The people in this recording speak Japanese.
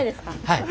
はい。